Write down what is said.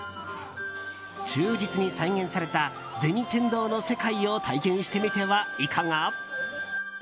忠実に再現された「銭天堂」の世界を体験してみてはいかが？